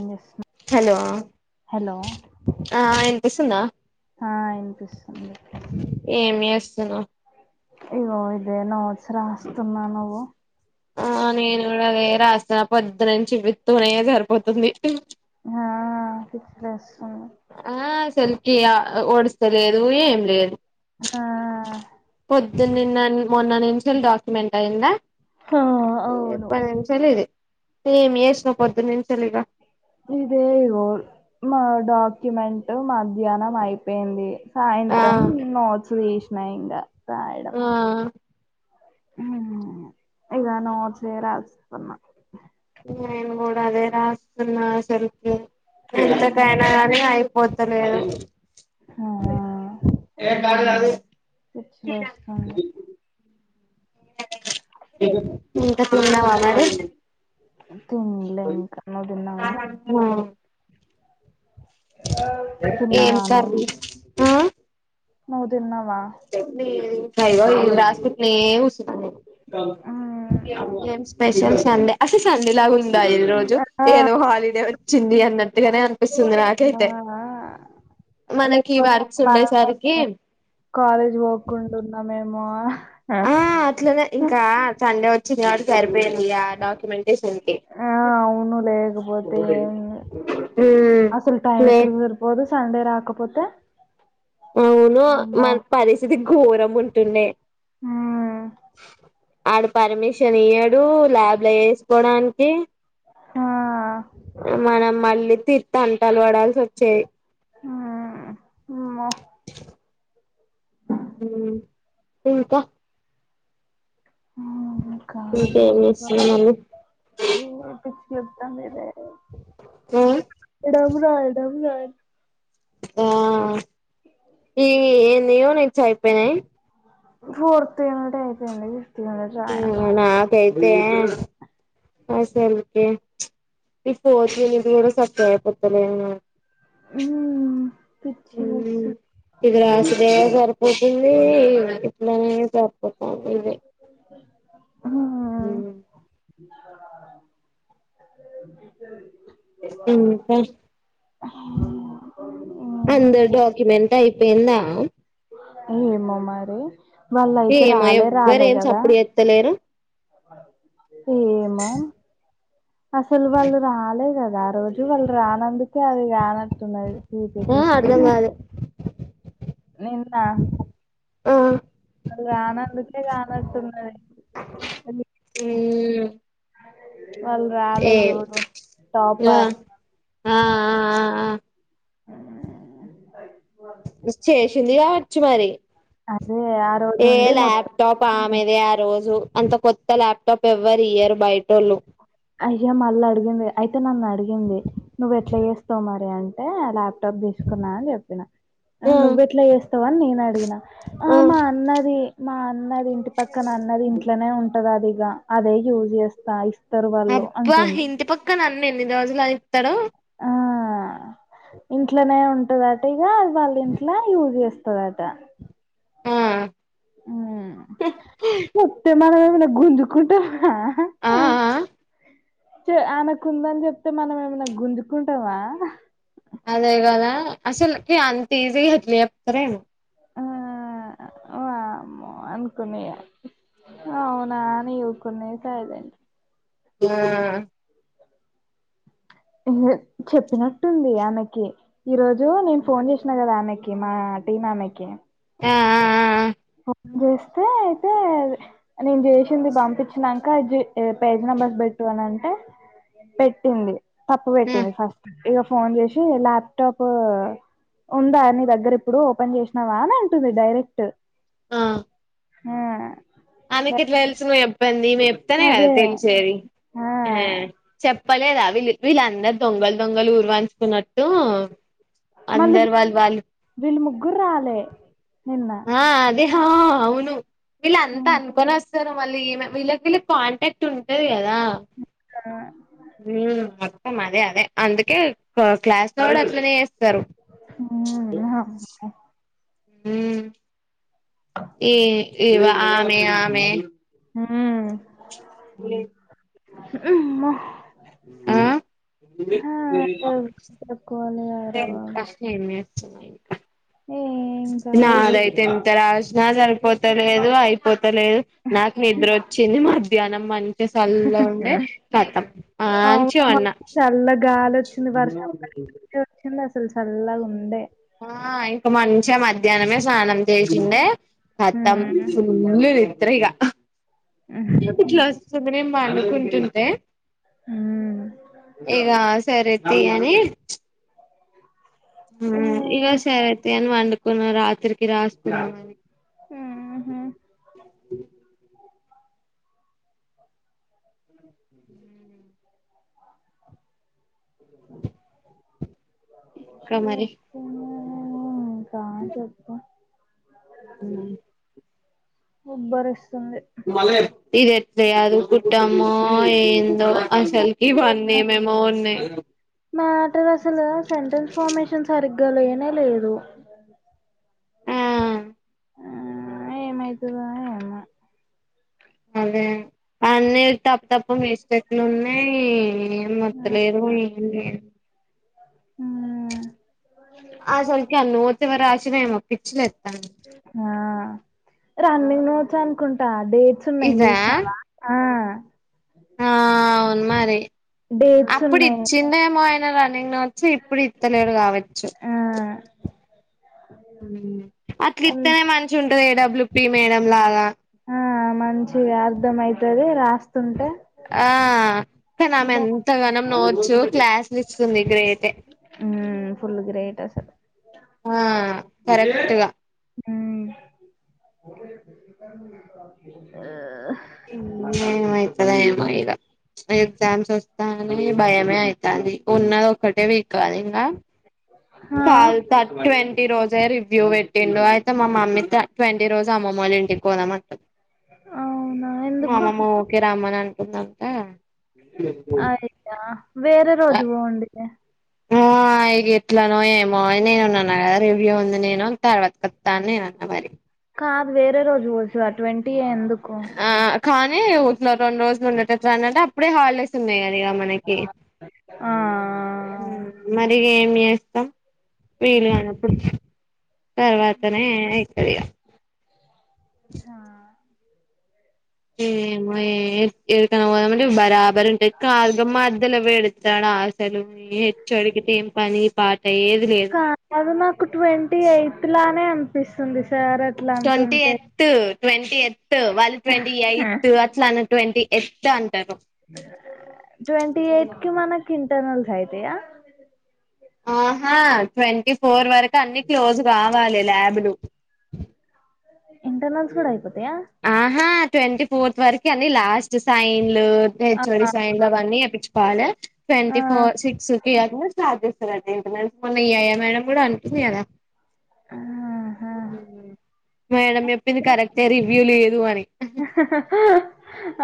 ఏం చేస్తున్నా hello hello ఆ వినిపిస్తుందా ఆ ఇనిపిస్తుంది స్తున్నవ్ ఇగో ఇదే నోడ్స్ రాస్ స్తున్నా నువ్వు ఆ నేను కూడా అదే రాస్తున్న పొద్దునుంచి వితునే సరిపోతుంది పిచ్చిలెస్ ఆ సెల్ కి ఓడుస్తలేదు ఏం లేదు ఆ పొద్దున్న నన్ మొన్న నిన్ ఫిసికల్ డాక్యూమెంట్ అయిందా ఆ ఎ అవును పది నిమిషాలు ఇది ఏమి చేసినవ్ పొద్దు నుంచెలి ఇగ ఇదే ఇగో మా డాక్యుమెంటు మధ్యాహ్నం అయిపోయింది ఆ సాయంత్రం నోట్స్ తీసినాయ్ ట రాయడం ఆ హ్మ్ ఇగ నోడ్స్ ఏ రాస్తున్న నేను కూడా అదే రాస్తున్న అసలుకి ఎంతకైనా గానీ ఐపో పోతలేదు ఆ ఏ గాదు సదువు పిచ్చిలేస్తుంది ఇంకా తిన్నవ మరి హ్మ్ తిన్లే ఇంకా నువ్వు తిన్నావా మరి ఏం కర్రీ హ్మ్ [unintelligible] నువ్ దీన్నావా చెట్నీ [unintelligible] రాసుకుంటానే కురసున్న ఉమ్ నేన్ ఎం స్పెషల్ సండే అసే సండే లాగా దా ఈరోజు ఆ ఏదో హాలిడే వచ్చింది అన్నట్టుగానే అనిపిస్తుంది నాకైతే ఆ మనకి లేకపోతే వర్క్స్ మనమే ఉండేసరికి కాలేజ్ వర్క్ ఉంటున్నా మేము మా హ ఆ అట్లనే ఇంకా సండే వచ్ వచ్చింది కాబ్బటి సరిపోయింది యా డాక్యుమెంట్ ఆ అవును లేకపోతే అసలు టైం లే ఎక్కడ సరిపోదు సండే రాకపోతే అవును అమ్మో మన మ పరిస్థితి ఘోరం ఉంటుండే ఆ ఆడు పర్మిషన్ ఇయ్యాడు ల్యాబ్ లో ఏస్కోడానికి ఆ అ మనం మళ్ళీ తీర్థంటాలు పడాల్సి వచ్చే హ హ ఇంకా ఆ ఇంకేం కాదబ్బ చేస్తున్నామండి ఏ [inaudible] [inaudible] [inaudible] [unintelligible] ఆ ఈ ఏమోనిచ్చైపోయినై ఫోర్ [unintelligible] ఏ అసల్కే ఈ ఫోర్త్ యూనిట్ గూడ సక్కగై పోతలే హమ్ ఇది రాసుడే సరిపోతుంది ఇట్లానే పారిపోతా నే హ్మ్ హ్మ్ [inaudible] ఇంకా అందరి డాక్యుమెంట్ అయిపోయిందా అ ఏమో మరి వాళ్ళు అయితే ఏమో రాలే ఎవ్వరు రాలే ఏం కదా సప్పుడు చేత్తలేరు ఏమో అసలు వాళ్ళు రాలే క వారోలి [unintelligible] వాళ్ళు రానందుకే అది కానట్టున్నది ఆ పిపిటి అర్ధం కాదు నిన్న ఆ వాళ్ళు రానందుకే రానాట్టున్నది అందుకే కదా మ్మ్ ఏ గా టాపర్ ఆఆ ఆ ఆ [inaudible] చేసింది కావచ్చు మరి అదే ఆ రోజు ఏ ఉండి ల్యాప్‌టాప్ మొత్తం ఆమెదే ఆ రోజు అంత కొత్త ల్యాప్టాప్ ఎవ్వరియ్యరు బైటోళ్ళు అయ్యా మళ్ళడిగింది అయితే నన్ను అడిగింది నువ్వెట్లా చేస్తావు మరి అంటే ల్యాప్ టప్ తీసుకున్నా అని చెప్పిన ఆ నువ్వుయెట్లా చేస్తావని నేను అడిగిన ఆ మా అన్నది మా అన్నది ఇంటి పక్ పక్కనా అన్నది ఇంట్లోనే ఉం [unintelligible] అదే యూజ్ చేస్తా ఇస్ అబ్బా ఇంటి పక్క న ఎన్ని రోజులు అని ఇత్తాడు ఆ ఇంట్లోనే ఉంటు అటు ఎ వాళ్ళు ఇంట్లో వాళ్ళు చేస్ తరువాత ఆ అ చెప్తున కదా ఏమన్న గుంజుకుంటనమ ఆ ఆ ఆమె కి ఉంది చెప్తే మనం ఏమన్న గుంజుకుంటామా అదే గదా అసల్కి అంత ఈజీగా ఎట్ల చెప్తారో ఏమో ఆ వామ్మో అనుకున్నా ఇగ అవునా అని వుకున్న సైలెంట్ అ చెప్పినట్టుంది ఆమెకి ఈరోజు నేను ఫోన్ చేసినా కదా ఆమెకి మా టీం ఆమెకి అ అ అ ఫోన్ చేస్తే అయితే నేను చేసింది పంపించినంక జి పేజ్ నంబర్స్ పెట్టు అని అంటే పెట్టింది తప్పు ఆ పెట్టింది ఫస్ట్ ఇగ ఫోన్ చేసి ల్యాప్టాప్ ఉందా నీ దగ్గర ఇప్పుడు ఓపెన్ చేసి ఉన్నావా అని అంటుంది డైరక్ట్ ఆ హా ఆమెకేట్ల తెలుసు నువ్వు చెపన్ది మే చెనే కదా అదే తెలిసేది ఆ చెప్ పలేదవి వీల్లు అందార్ దొంగల్ దొంగల్ ఊర్వా కున్నట్టు మళ్ళీ అందరు వీ వాళ్ళు వాళ్ళు వీళ్ళు ముగ్గురు రాలే నిన్న ఆ అద్ ఎ హ అవును వీళ్ళు ఆ అంతా అనుకొని వస్తారు మళ్ళీ ఇమే వీళ్ళకి వీళ్ళ కాంటాక్ట్ ఉంటది కదా ఆ ఉ మొత్తం అదే అదే అందుకే క్లాస్ గుడ అట్లనే చేస్ [inaudible] ఉమ్ ఏ ఇవా ఆమె ఆమె ఉమ్ ఉ అమ్మ ఆ తక్కువైందే తక్కువలే కదరా బాబు [inaudible] ఏం కాదు ఇప్పుడు నాదయితే ఏంత రాష్ నా సరిపోతా లేదు అయిపో లేదు నాకు నిద్ర వచ్చింది మా ధ్యానం ప సల్ల ఉండే కతం అవును మాంచిగా పన్న మాకు చల్ల గాలి చల్లగ ఉండే ఆ ఇంక మన్ చ్చే మధ్యాహ్నమే స్నానం చేసిండే కతం హ్మ్ ఫుల్లు ని ద్రిగ [unintelligible] పండు కుంటుంటే హ్మ్ మ్మ్. ఇగా సరే తీ గని ఊ ఇగ సరెతీయ్ అని పండు కున్న రాత్రికి రాస్తున్నామని అ ఇంకా మరి చేతున ఆ చెప్పు అ ఉబ్బరి మల్లే ఇది ఎట్ల సాదుకుంటామో కుట్టమ్ము ఏందో. అసలుకి ఇవన్నీ మేమే ఉన్నయి. ఇన్ఫార్మేషన్ సరిగ్గా లేనే లేదు. ఆ ఆ ఏమవుతుందా ఏమో. అదే అన్నీ తప్పు తప్ప మే చెట్లు ఉన్నాయి ఏం వత్తలేదు ఏం లే. ఉం అసలుకే అన్ని [unintelligible] వచ్చియేమో పిచ్చిలే ఆ రన్నింగ్ నో చ్చు అనుకుంట. డేట్స్ ఉన్నాయి ఇదా చూశినవా ఆ ఆ అవున్ మరి డేట్స్ అప్పుడు ఉన్నాయి ఇచ్చిందేమో. నా రన్నింగ్ నోట్స్. చీ ఇప్పుడు ఇత్తలేడు కావచ్చు. ఆ అట్లు అన్ ఇత్తనే మంచిగుండు. ఎడబ్ల్ల్యు పి మేడం లాగా. ఆ మాల్ మంచిగా అర్థమైతది రాస్తుంటే ఆ కానీ ఆమె బాగా ఎంతగానం నోట్స్ క్లాసులు ఇస్తుంది గ్రేటే ఉమ్మ్ ఫుల్ గ్రేట్. చేసే ఆ పరలే ఇగ ఉమ్ [inaudible] ఎమ్మొ ఇగ ఆ ఎగ్జామ్స్ వస్త అని భయమే అయితాంది ఉన్నది ఒక్కటే వీకు అది గూడా ఆ కాల్ తట్వన్ ఈ రోజే రివ్యూ పెట్టిండు అయితే మా మమ్మీ ట్వంటీ రోజు అమ్మమోళ్ళ ఇంటికి పోదం అన్నది అవునా మ ఎందుకు అమ్మమ్మ ఓకే రామ్మనన్ దంట అయిందా వేరే రోజు పోండి హు ఇగ ఎట్లానోయేమో నేనుండి అన్న కదా రివ్యూ ఉంది నేను అని తర్వాత్ వత్తా అని నేనన్న మరి కాదు వేరే రోజు పోవచ్చు గా ట్వంటీ ఎ దుకు వని వ రేండు రోజులు ఉండేటట్టు రాండంటే ఇప్పుడే హాలిడేస్ ఉన్నాయా మనకి ఆ మరి నేస్తం వేలినానప్పుడు తర్వాతనే అయితది ఇగ సా ఏమో ఏ ఏడికన్నా పోదమంటే బరాబరి ఉంటయ్ కాదు గ మధ్యల పెడి చాడా ఆశలు వచ్చి అడిగితే ఏం పని పాట ఏది లేదు ఆ కాదు నిపిస్తుంది ట్వంటి యత్త్ ట్వం టి వాళ్ళు ట్వంటీ యయ్త్ అట్లా అన్ ట్వంటీ ఏఫ్త్ అం ట్వంటీ యయ్త్ కి మనకి ఇంటర్నల్స్ అయితయ ఆహా ట్వంటి ఫోర్ వరక్ అన్ని క్లోజ్ కావాలే ల్యాబులు ఇంటర్నల్స్ కూడా అయిపోతు ఆహా ట్వంటీ ఫోర్త్ వరకు అని లాస్ట్ సైన్లు హెచ్ఓడి సైన్లు అవన్నీ వప్పించుకోవాలి ట్వంటీ ఆ ఫోర్ సిక్స్ కి అ స్టార్టింగ్ మొన్న ఎ ఐ మేడం కూడా అనుకుంది కదా ఆ మేడం చెప్పింది కరెక్టే రివ్యూ లేదు అని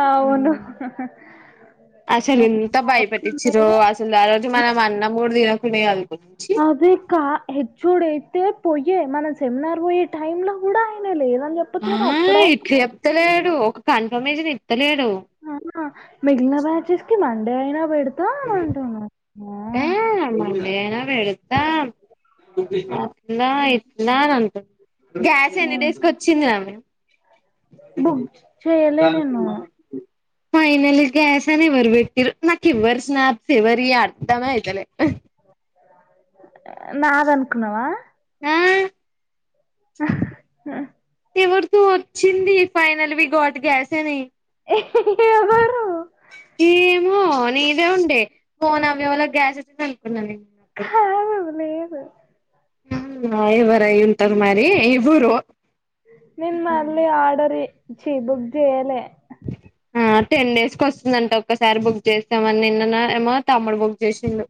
అవును ఉమ్ అసలు ఇంత బయపెట్టించిరో అవును. అసలు ఆ రోజు మనం ఆ అన్నం కూడా దిన ఉండే కాదు అదేకా హెచ్ఒ డి అయితే పోయే మనం సెమినార్ పోయే టైమ్ లో కూడా ఆయన లేదా చెప్పొచ్చు కదా అప్పుడే ఇలేడు ఒక కన్ఫర్మేషన్ ఇ మెగినా బ్రాంచెస్కీ మ అంటేయినా ఆ అ ఏనా వెళుతా ఆ నా ఇ అంత గ్యాస్ ఆ ఎనీ డేస్ కి వచ్చింది రామె బుక్ చెయ్యలే నేను ఫైనల్ గ్యాసనే వర్బట్టిరు నాకు ఇవ్వర్ స్నాప్ ఫివరి అర్తామ అయితలే నాదనుకున్నావా ఆ ఆ ఎవరితూ వచ్చింది ఫైనల్ బ గట్ గ్యాసేని ఏవరు ఏమో నీదే ఉండే ఫోన్ అవళ గ్యాసెసింది అనుకున్నా నేను అప్పు బ ఎవరా ఇ తర్ మరి ఇఊరు నిన్ అళ్ళ ఆడరి జి బుగ్దియాల ఆ టెన్ డేస్ క వస్తుందంటే ఒక్కసారి బుక్ చేస్తామని నిన్న ఏమో తమ్ముడు బుక్ చేసిండు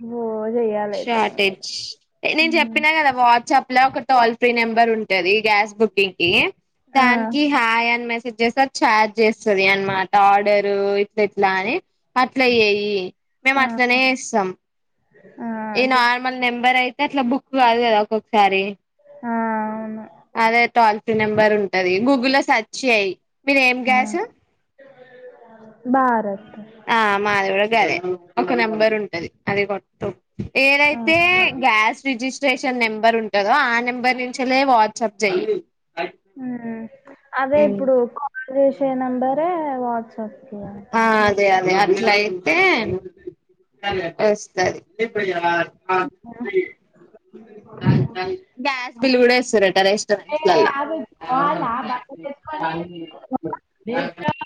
ఓ చెయ్యాలి అయితే నేను కూడా షార్టేజ్ నేను చెప్పినా కదా వాట్సాప్ ఇలా ఒక టోల్ ఫ్రీ నెంబర్ ఉంటది గ్యాస్ బుకింగ్ కి ఆ దానికి హాయని మ చేస్త ఛార్జ్ చేస్తుంది అనమాట ఆర్డరు ఇట్లా ఇట్లా అని అట్ల ఏయి మేము ఆ అట్లనే ఇస్తాం ఆ ఆ ఈ చె నార్మల్ నెంబర్ ఐ అయితే అట్లా బుక్ కాదు కదా ఒక్కొక్కసారి ఆ అవును అదే టల్ నెంబర్ ఉంటుంది గూగుల్లో లో సెర్చ్ చేయయి మీరు ఏం ఆ కస భారత్ ఆ మాది కూడా గదే ఒక నెంబర్ ఉంటది అది కొత్త ఆ ఏదైతే గ్యాస్ రిజిస్ట్రేషన్ నెంబర్ ఉంటు చదో ఆ నెంబర్ నుంచి వెళ్ళ వాట్సప్ చెయ ఉమ్ అదే ఇప్పుడు నంబర్ వాట్స్ ఆ అదే అదే అ ఇట్లాయితే వస్తది గ్యాస్ బిల్ కూడా ఎస్తరటా ఏ రెస్టారెంట్ లో యాభై కాల్ ఆ బండి తెచ్చుకొని